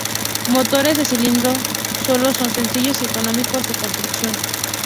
Motores de cilindro solo son sencillos y económicos en construcción.